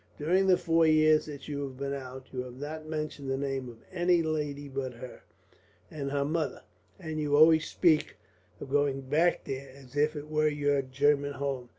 During the four years that you have been out, you have not mentioned the name of any lady but her and her mother; and you always speak of going back there, as if it were your German home.